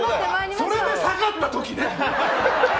それで下がった時ね。